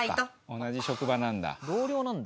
同じ職場なんだ。